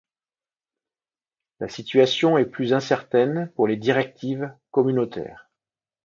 La situation est plus incertaine pour les directives communautaires.